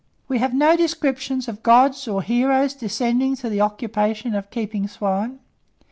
We have no descriptions of gods or heroes descending to the occupation of keeping swine.